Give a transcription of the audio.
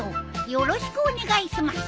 よろしくお願いします。